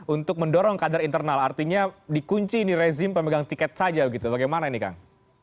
untuk mendorong kader internal artinya dikunci ini rezim pemegang tiket saja begitu bagaimana ini kang